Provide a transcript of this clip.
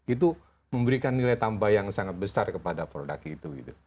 itu memberikan nilai tambah yang sangat besar kepada produk itu